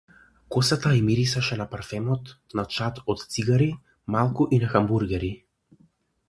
Косата ѝ мирисаше на парфемот, на чад од цигари, малку и на хамбургери.